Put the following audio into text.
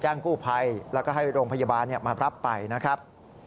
กู้ภัยแล้วก็ให้โรงพยาบาลมารับไปนะครับ